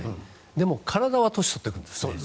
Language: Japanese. でも体は年を取っていくんですね。